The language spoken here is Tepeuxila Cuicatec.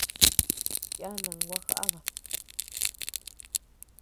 Yana gua jabat.